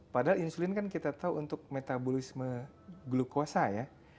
padahal insulin kan kita tahu untuk metabolisme glukosa ya